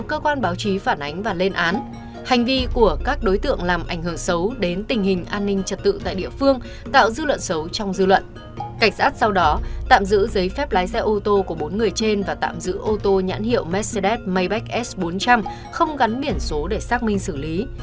cảnh sát sau đó tạm giữ giấy phép lái xe ô tô của bốn người trên và tạm giữ ô tô nhãn hiệu mercedes maybach s bốn trăm linh không gắn biển số để xác minh xử lý